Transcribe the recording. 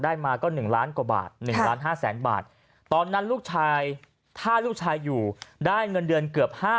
มาก็๑ล้านกว่าบาท๑ล้าน๕แสนบาทตอนนั้นลูกชายถ้าลูกชายอยู่ได้เงินเดือนเกือบ๕๐๐